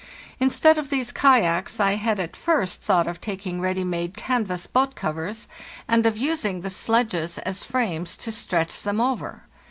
Instead of these kayaks, I had at first thought of taking ready made can vas boat covers, and of using the sledges as frames to stretch them over.